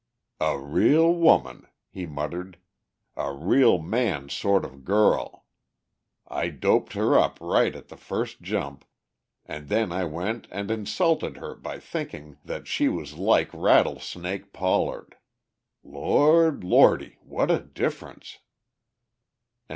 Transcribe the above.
"A real woman," he muttered. "A real man's sort of girl! I doped her up right at the first jump, and then I went and insulted her by thinking that she was like 'Rattlesnake' Pollard! Lord, Lordy! What a difference!"